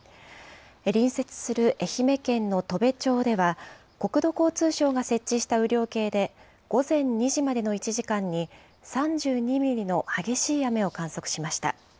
隣接する愛媛県の砥部町では、国土交通省が設置した雨量計で、午前２時までの１時間に３２ミリの激しい雨を観測しました。